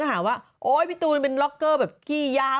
ก่อนหน้านี้ที่ตีปริงปองอ่ะไปแข่งซีเกมอ่ะ